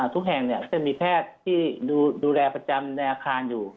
ทุกแห่งก็จะมีแพทย์ที่ดูแลประจำในอาคารอยู่